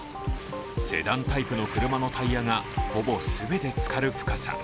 セダンタイプの車のタイヤがほぼ全てつかる深さ。